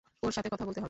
ওর সাথে কথা বলতে হবে।